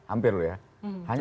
ampir loh ya